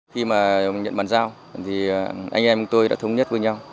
khi mà nhận bàn giao thì anh em tôi đã thống nhất với nhau